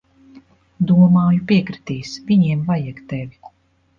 Domāju, piekritīs. Viņiem vajag tevi.